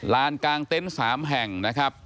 ลานกางเต้นสามแห่งนะครับ